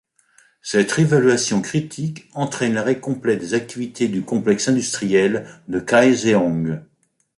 Cette réévaluation critique entraîne l'arrêt complet des activités du complexe industriel de Kaeseong.